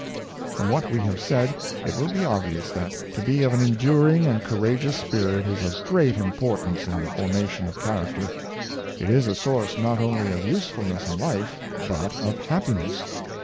From what we have said, it will be obvious that to be of an enduring and courageous spirit is of great impor tance in the formation of character. It is a source not only of usefulness in life, but of happiness.